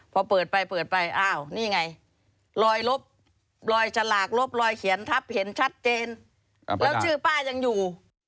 พอเปิดไปเปิดไปอ้าวนี่ไงรอยลบรอยฉลากลบรอยเขียนทับเห็นชัดเจนแล้วชื่อป้ายังอยู่